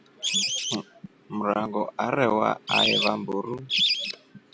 Mrango arewa aeva mburu.